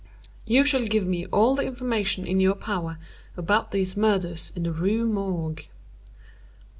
You shall give me all the information in your power about these murders in the Rue Morgue."